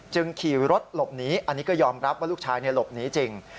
ขี่รถหลบหนีอันนี้ก็ยอมรับว่าลูกชายหลบหนีจริง